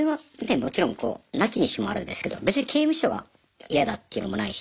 もちろんなきにしもあらずですけど別に刑務所がやだっていうのもないし。